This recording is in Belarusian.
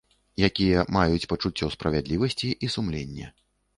Якія маюць пачуццё справядлівасці і сумленне.